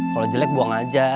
kalau jelek buang aja